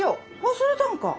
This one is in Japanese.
忘れたんか？